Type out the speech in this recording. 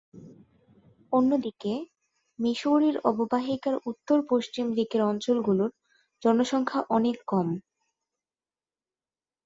অন্যদিকে, মিসৌরির অববাহিকার উত্তর-পশ্চিম দিকের অঞ্চলগুলোর জনসংখ্যা অনেক কম।